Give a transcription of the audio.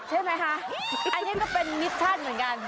ใช่ไหมคะอันนี้ก็เป็นมิชชั่นเหมือนกัน